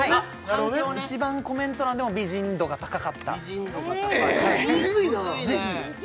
はい一番コメント欄でも美人度が高かったえーっ美人？